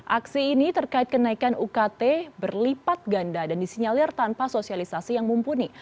aksi ini terkait kenaikan ukt berlipat ganda dan disinyalir tanpa sosialisasi yang mumpuni